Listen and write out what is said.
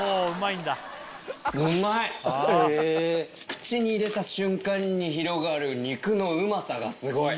口に入れた瞬間に広がる肉のうまさがすごい！